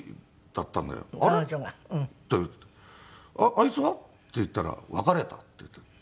「あいつは？」って言ったら「別れた」って言って。